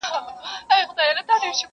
پلار او مور یې په قاضي باندي نازېږي,